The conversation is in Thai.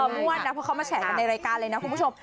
ม่วนนะเพราะเขามาแฉกันในรายการเลยนะคุณผู้ชม